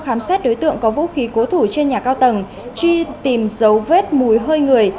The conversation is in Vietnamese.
khám xét đối tượng có vũ khí cố thủ trên nhà cao tầng truy tìm dấu vết mùi hơi người